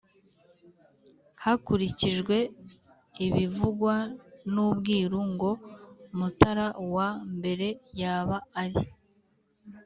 Hakurikijwe ibivugwa n ubwiru ngo Mutara wa I yaba ari